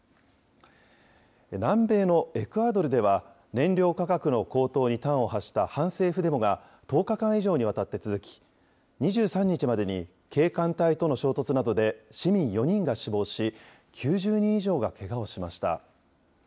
南米のエクアドルでは、燃料価格の高騰に端を発した反政府デモが１０日間以上にわたって続き、２３日までに警官隊との衝突などで市民４人が死亡し、９０人以上がけがをしました。